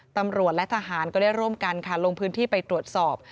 ตำรวจและทหารก็ได้ร่วมกันค่ะลงพื้นที่ไปตรวจสอบ